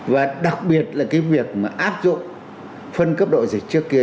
và đặc biệt là cái việc mà áp dụng phân cấp độ dịch trước kia